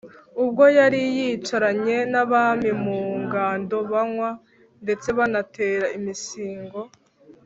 ubwo yari yicaranye nabami mu ngando banywa ndetse banatera imisingo